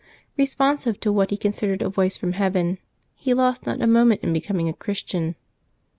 Eesponsive to what he considered a voice from heaven, he lost not a moment in becoming a Christian.